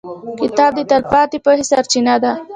• کتاب د تلپاتې پوهې سرچینه ده.